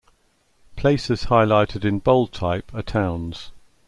Places highlighted in bold type are towns.